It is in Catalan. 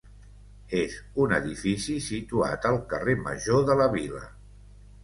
És un edifici situat al carrer Major de la Vila.